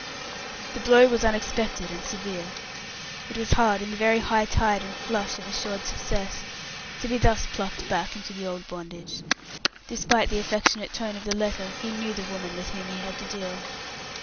The blow was unexpected and severe. It was hard, in the very high tide and flush of assured success, to be thus plucked back into the old bondage. Despite the affectionate tone of the letter, he knew the woman with whom he had to deal.